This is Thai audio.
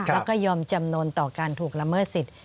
แล้วก็ยอมจำนวนต่อการถูกละเมิดสิทธิ